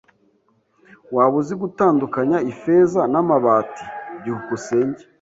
Waba uzi gutandukanya ifeza n'amabati? byukusenge